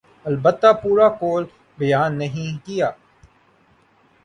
البتہ پورا قول بیان نہیں کیا۔